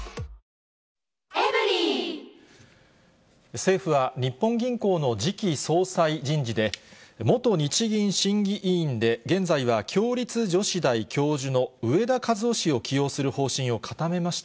政府は日本銀行の次期総裁人事で、元日銀審議委員で現在は共立女子大教授の植田和男氏を起用する方針を固めました。